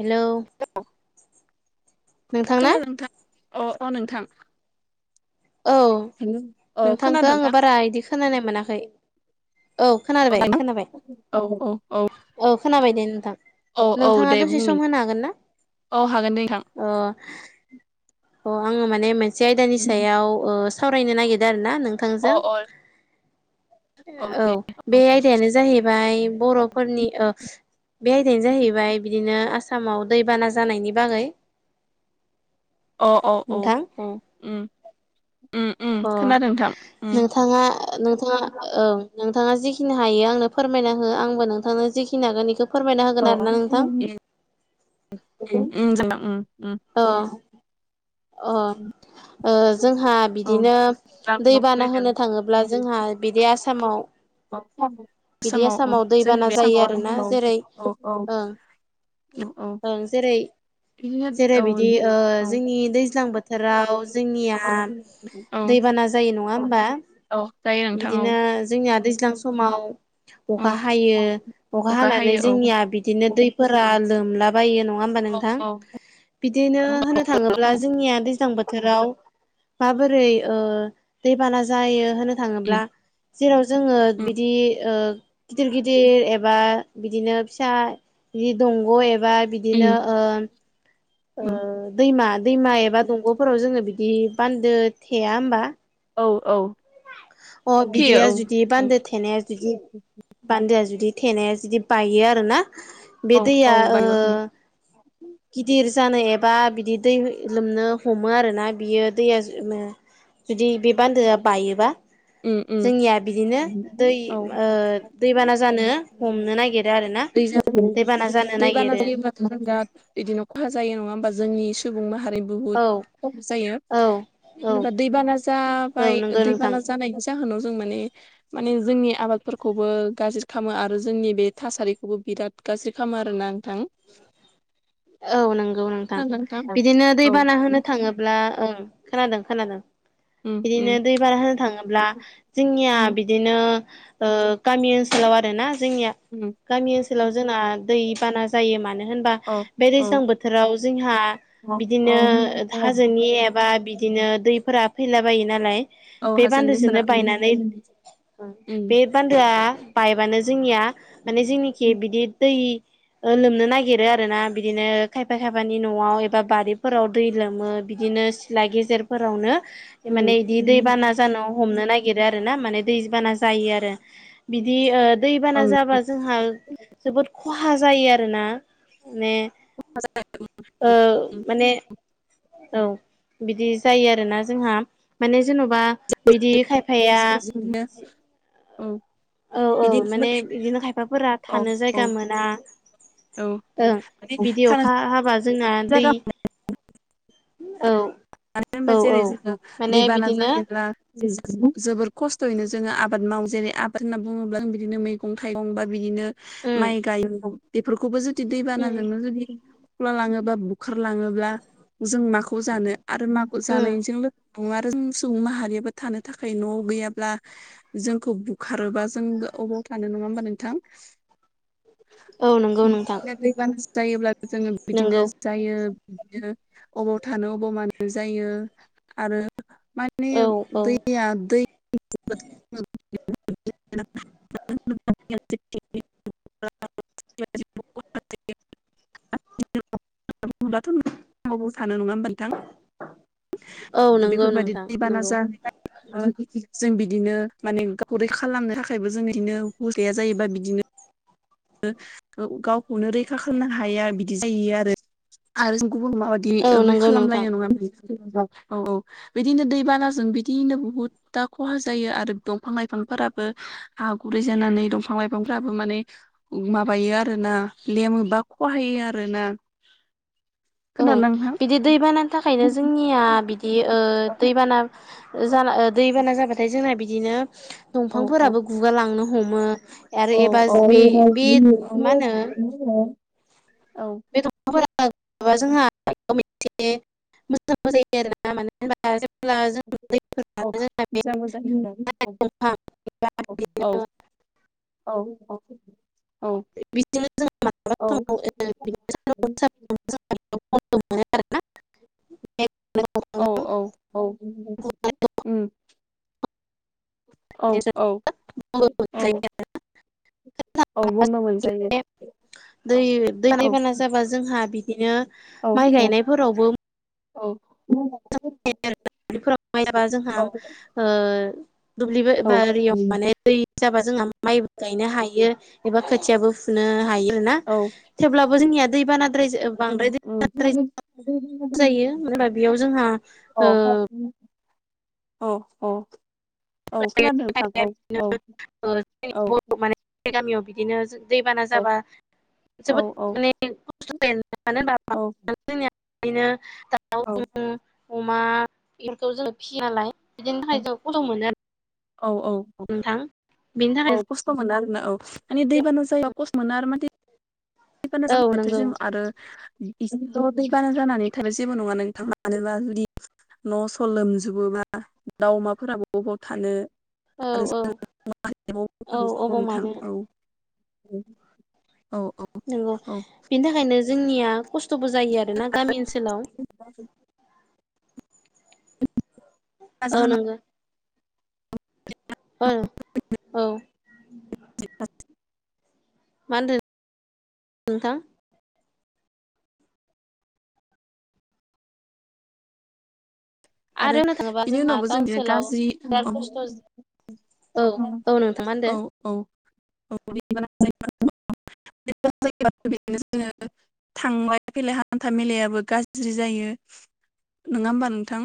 Hello नोंथांना खोनादों नोंथां अ अ नोंथां। औ अ नोंथांखौ खोनादों आङो नोंथां बारा इदि खोनानाय मोनाखै। औ खोनाबाय खोनाबाय औ औ खोनाबाय दे नोंथां औ औ नोंथाङा दे दसे बुं सम नों होनो हागोन ना? औ हागोन दे नोंथां अ अ आङो माने मोनसे आयदानि सायाव औ ओ सावरायनो नागिरदों आरो ना नों अ नोंथांजों अ औ बे आय दायानो जाहैबाय बर'फोरनि ओ बे आयदायानो जाहैबाय बिदिनो आसामाव दैबाना जानायनि बागै अ अ औ औ नोंथां ओम ओम अ खोनादों नोंथां ओम नोंथाङा नोंथाङा औ नोंथाङा जिखिनि हायो आंनो फोरमायना हो आंबो नोंथांनो जिखिनि हागोन बेखौ फोरमायना होगोन अ आरोना ओम नोंथां जागोन ओम ओम अ अ ओ जोंहा औ बिदिनो दै बाना होनो थाङोब्ला जोंहा बिदि आसामाव बिदि आसामाव उम आसामाव जोंनि दैबाना बे जायो आसामाव आरो आरोना औ जेरै औ औ ओ औ ओं जेरै बिदिनो औ जेरै बिदि ओ जोंनि दै बोथोराव जोंनिया औ औ दैबाना जायो नङा होमबा औ जायो नोंथां औ। ओ जोंनिया दैज्लां समाव अखा हायो अ अखा हानानै हायो औ जोंनिया बिदिनो दैफोरा लोमलाबायो नङा होम बा औ नोंथां औ बिदिनो उम होनो थाङोब्ला जोंनिया दैज्लां बोथोराव माबोरै ओ दैबाना जायो होनो थाङोब्ला उम जेराव जोङो बिदि ओ गिदिर गिदिर एबा बिदिनो फिसा बि दंग' एबा बिदि बिदिनो उम ओ ओ उम दैमा दैमा एबा दंग'फोराव जोङो बिदि बान्दो थेया होमबा औ औ अ थैयो बिदिया औ जुदि औ बान्दो थेनाया जुदि बान्दोआ जुदि थेनाया जुदि बायो आरोना बे औ दैया औ ओ बायो उम [inaudible] गिदिर जानो एबा बिदि दै लोमनो हमो आरोना बियो दैया जुदि बे बान्दोआ बायोबा उम उम जोंनिया बिदिनो दै औ ओ दैबाना जानो हमनो नागिरो आरो ना दैबाना जानो नागिरो दा बिदिनो खहा जायो नङा होमबा जोंनि सुबुं माहारि औ बुहुत खहा जायो औ औ जेबा दैबाना औ जाबाय नंगौ नोंथां दैबाना जानाय जाहोनाव जों माने माने जोंनि आबादफोरखौबो गाज्रि खालामो आरो जोंनि बे थासारिखौबो बिराद गाज्रि खालामो आरोना नोंथां। औ नंगौ नोंथां खोनादों ना नोंथां बिदिनो दैबाना औ होनो थाङोब्ला ओं खोनादों खोनादों उम बिदिनो उम दै बाना होननो थाङोब्ला जोंनिया उम बिदि बिदिनो ओ गामि ओनसोलाव आरोना जोंनिया उम गामि ओनसोलाव जोंना दैबाना जायो मानो होनबा औ बे औ दैज्लां बोथोराव जोंहा औ औ बिदिनो हाजोनि एबा बिदिनो दैफोरा फैला बायो नालाय औ बे हाजों दैफोरा बान्दोजोंनो उम बायनानै उम बे बान्दोआ बायबानो जोंनिया माने जोंनिखि बिदि दै ओ लोमनो नागिरो आरोना बिदिनो खायफा-खायफानि न'आव एबा बारिफोराव दै लोमो बिदिनो सिथला गेजेरफोरावनो माने उम बिदि दै बाना जानो हमनो नागिर नागिरो आरोना माने दैबाना जायो आरो बिदि ओ दैबाना ओं जाबा जोंहा जोबोद खहा जायो आरोना माने [unintelligible] ओ माने औ बिदि जायो आरोना जोंहा माने जेन'बा बिदि खायफाया बिदिनो औ औ औ बिदि माने बिदिनो खायफाफोरा औ थानो औ जायगा मोना औ ओं माने बिदि थानो अखा हाबा जोंना जागा दै औ मानो औ होनबा जेरै औ जोङो माने दैबाना बिदिनो जायोब्ला जोबोर खस्थ'यैनो जोङो आबाद मावो जेरै आबाद होनना बुङोब्ला जों बिदिनो मैगं थाइगं बा बिदिनो उम माइ गायो बेफोरखौबो जुदि उम दैबानाजोंनो जुदि खख्ला लाङोबा बुखार लाङोबा जों माखौ जानो आरो माखौ उम जानाय जों आरो सुबुं माहारियाबो थानो थाखाय न' गैयाब्ला जोंखौ बुखारोबा जों अबाव थानो नङा होमबा नोंथां औ नंगौ नोंथां बिदिनो दैबाना जायोब्ला जोङो बिदिनो नंगौ जायो बिदिनो अबाव थानो अबाव मानो जायो आरो मा माने औ औ दैया दै [unintelligible] [unintelligible] [unintelligible] होमब्लाथ' आबाव थानो नङा होमबा नोंथां? औ नंगौ बेफोरबायदि नोंथां दैबाना नंगौ जाहैबाय ओ जों बिदिनो माने गावखौ रैखा‌ खालामनो थाखायबो जोंनो हुस गैया जायोबा बिदिनो गावखौनो रैखा खालामनो हाया बिदि जायो आरो आरो गुबुन माबायदि औ ओरै नंगौ नोंथां खालामलायनाय नङा औ औ [inaudible] बिदिनो दैबानाजों बिदिनो बहुत दा खहा जायो आरो दंफां-लाइफांफोराबो हा गुरै जानानै दंफां-लाइफांफ्राबो माने माबायो आरो ना लेमो बा खहायो आरो ना ओं नोंथां? बिदि दैबानानि थाखायनो जोंनिया बिदि दैबाना जाना दैबाना जाबाथाय जोंना बिदिनो औ औ दंफांफोराबो गुगालांनो हमो आरो औ एबा औ बे बे मा होनो औ बे दंफांफोराबो जोंहा मोनसे मोजां जायो आरो ना माने [inaudible] [unintelligible] औ मोजां मोजां होनदों एबा औ औ औ औ औ बिजोंनो जोङो [inaudible] औ मोनो आरोना औ औ औ उम औ औ औ औ बनबो मोनजायो दै औ औ दैबाना जाबा जोंहा बिदिनो औ माइ औ गायनायफोरावबो औ दफोराव माबा जोंहा औ दुब्लि बारियाव माने दै जाबा जोंहा माइबो गायनो हायो एबा खोथियाबो फुनो हायो आरो ना थेवब्लाबो जोंनिया दैबानाद्राय जा ओ [unintelligible] जायो मानो होनबा बेयाव जोंहा अ अ अ औ खोनादों नोंथां औ औ औ बे गामियाव बिदिनो जों दैबाना औ जाबा जोबोद माने खस्थ' जायो आरो ना मानो होनबा औ [inaudible] जोंनिया बिदिनो औ दाउ अमा बेफोरखौ जोङ फिसियोनालाय [inaudible] बिदिनि थाखाय ज' कस्त' मोनो [inaudible] औ औ औ नोंथां बेनि औ थाखाय खस्थ' मोनो आरोना औ माने दैबाना जायोब खस्थ' मोनो आरो माने दैबाना औ जाबाथाय नंगौ जों आरो बिदिनो ज' दैबाना जानानै थ जेबो नङा नोंथाङा मानोबा जुदि [inaudible] न' स' लोमजोबोबा दाउ अमाफोरा बबबाव थानो औ औ आरो जों जायो औ अबाव नोंथां मानो औ [inaudible] औ औ नंगौ औ बेनि थाखायनो जोंनिया खस्थ'बो जायो आरोना गामि ओनसोलाव [inaudible] गाजा ओ हामना नोंगो अ औ मा होनदो नोंथां आरो होननो थाङोबा बिनि जोंहा उनावबो जों बिदिनो टाउनसेलाव गाज्रि औ बिराद खस्थ' [inaudible] औ औ नोंथाङा मा होनदो औ औ बेनो जोङो [unintelligible] थांलाय फैलाय हान्था मेलायाबो गाज्रि जायो नङा होमबा नोंथां